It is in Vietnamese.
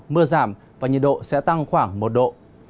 mưa giảm và nhiệt độ sẽ tăng khoảng một độ